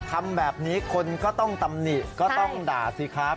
ทำแบบนี้คนก็ต้องตำหนิก็ต้องด่าสิครับ